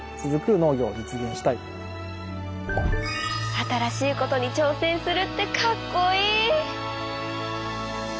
新しいことに挑戦するってかっこいい！